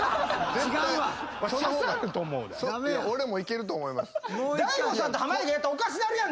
俺もいけると思います。